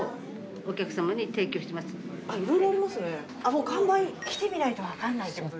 もう完売来てみないと分かんないってことですよね。